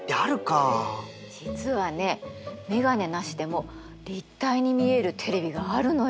実はね眼鏡なしでも立体に見えるテレビがあるのよ。